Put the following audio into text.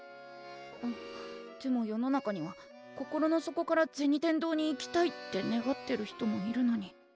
んでも世の中には心の底から銭天堂に行きたいって願ってる人もいるのに。